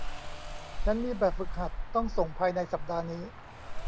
ฉันมีแบบฝึกหัดต้องส่งภายในสัปดาห์นี้